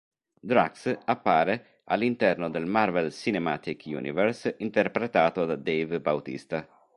Drax appare all'interno del Marvel Cinematic Universe interpretato da Dave Bautista.